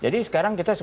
jadi sekarang kita